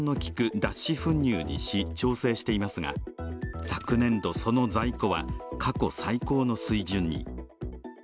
脱脂粉乳にし、調整していますが、昨年度、その在庫は過去最高の水準に。